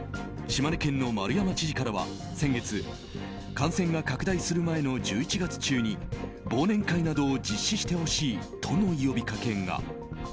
島根県の丸山知事からは先月、感染が拡大する前の１１月中に忘年会などを実施してほしいとの呼びかけが。